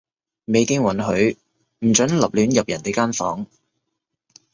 未經允許，唔准立亂入人哋間房